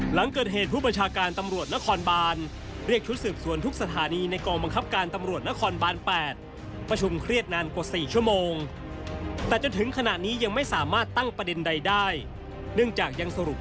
หลังเกิดเหตุผู้ประชาการตำรวจนครบานเรียกชุดสืบสวนทุกสถานีในกองบังคับการตำรวจนครบาน๘